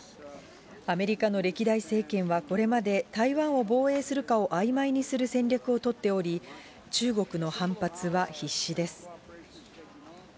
アメリカの歴代政権はこれまで、台湾を防衛するかをあいまいにする戦略を取っており、中国の反発は必至です。